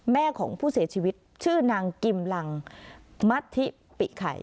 แม่ของผู้เสียชีวิตชื่อนางกิมลังมัธิปิไข่